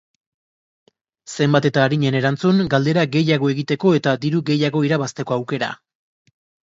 Zenbat eta arinen erantzun, galdera gehiago egiteko eta diru gehiago irabazteko aukera.